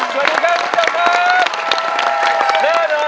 สวัสดีค่ะทุกคนค่ะ